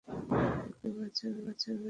আপনি আমাকে বাঁচালেন।